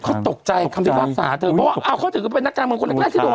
เขาตกใจความเป็นความปรักษาเพราะว่าเขาถือว่าเป็นนักการบังคลแรกที่โดนนะ